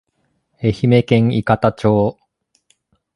愛媛県伊方町